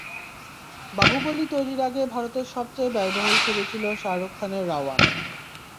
বাহুবলী তৈরির আগে ভারতের সবচেয়ে ব্যয়বহুল ছবি ছিল শাহরুখ খানের রাওয়ান।